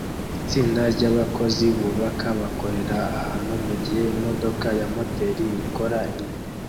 Itsinda ryabakozi bubaka bakorera ahantu mugihe imodoka ya moteri ikora imbere